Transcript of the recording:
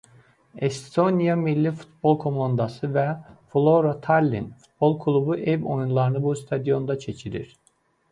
Estoniya milli futbol komandası və "Flora Tallin" futbol klubu ev oyunlarını bu stadionda keçirir.